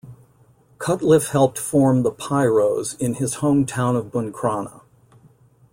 Cutliffe helped formed The Pyros in his home town of Buncrana.